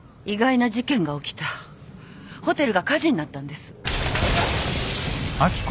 ホテルが火事になったんです。